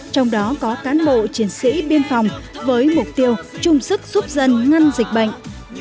trong đó có cán bộ chiến sĩ biên phòng với mục tiêu chung sức giúp dân ngăn dịch bệnh